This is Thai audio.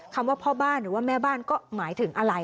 คำว่าพ่อบ้านหรือว่าแม่บ้านก็หมายถึงอะไร